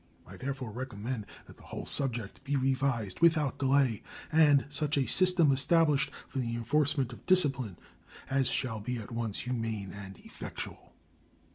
I therefore recommend that the whole subject be revised without delay and such a system established for the enforcement of discipline as shall be at once humane and effectual.